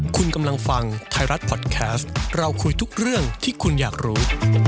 คุณกำลังฟังไทยรัฐพอดแคสต์เราคุยทุกเรื่องที่คุณอยากรู้